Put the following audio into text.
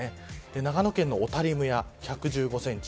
長野県の小谷村１１５センチ